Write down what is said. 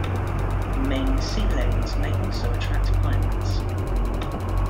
Main sea lanes may also attract pirates.